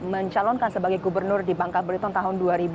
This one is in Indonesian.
mencalonkan sebagai gubernur di bangka belitung tahun dua ribu dua